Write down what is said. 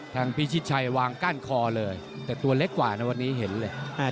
พิชิตชัยวางก้านคอเลยแต่ตัวเล็กกว่านะวันนี้เห็นเลย